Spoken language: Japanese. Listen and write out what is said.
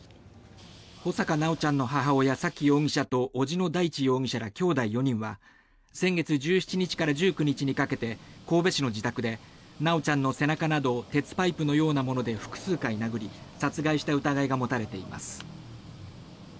穂坂修ちゃんの母親沙喜容疑者と叔父の大地容疑者らきょうだい４人は先月１７日から１９日にかけて神戸市の自宅で修ちゃんの背中などを鉄パイプのようなもので複数回殴り殺害した疑いが持たれています。